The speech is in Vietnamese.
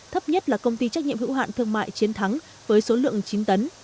thấp nhất là công ty trách nhiệm hữu hạn thương mại chiến thắng với số lượng chín tấn